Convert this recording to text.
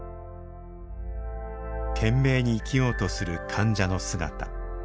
懸命に生きようとする患者の姿。